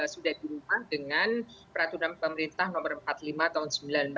sudah dirubah dengan peraturan pemerintah nomor empat puluh lima tahun seribu sembilan ratus sembilan puluh